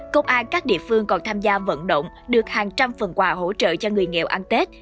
công an các địa phương còn tham gia vận động được hàng trăm phần quà hỗ trợ cho người nghèo ăn tết